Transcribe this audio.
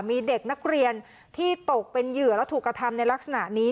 มีเด็กนักเรียนที่ตกเป็นเหยื่อและถูกกระทำในลักษณะนี้